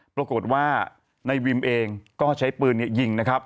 ปรากฏว่าในวิมเองก็ใช้ปืนยิงนะครับ